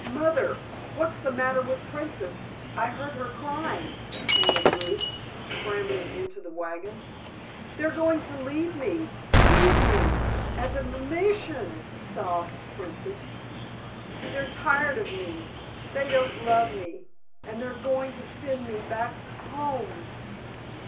"Mother—what's the matter with Princess—I heard her crying," panted Ruth, scrambling into the wagon. "They're going to leave me—leave me—at the M M Mission," sobbed Princess. "They're tired of me—they don't love me—and they're going to send me back h h home!"